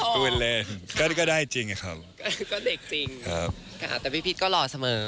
พูดเล่นก็ได้จริงครับครับค่ะแต่พี่พีชก็หล่อเสมอ